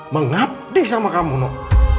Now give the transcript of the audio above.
mengabdi sama kamu noh